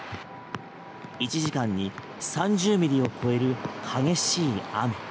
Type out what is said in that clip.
１時間に３０ミリを超える激しい雨。